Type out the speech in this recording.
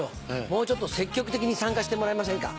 もうちょっと積極的に参加してもらえませんか？